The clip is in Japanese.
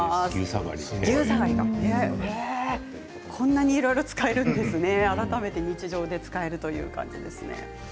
こんなにいろいろ使えるんですね、改めて日常で使えるという感じですね。